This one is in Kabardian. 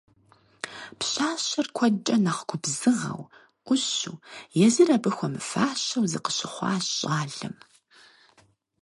Пщащэр куэдкӀэ нэхъ губзыгъэу, Ӏущуу, езыр абы хуэмыфащэу зыкъыщыхъуащ щӀалэм.